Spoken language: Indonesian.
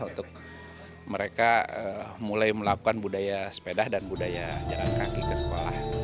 untuk mereka mulai melakukan budaya sepeda dan budaya jalan kaki ke sekolah